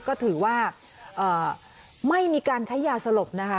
ก็ถือว่าไม่มีการใช้ยาสลบนะคะ